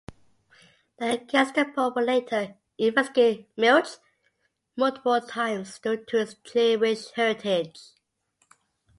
The Gestapo would later investigate Milch multiple times due to his Jewish heritage.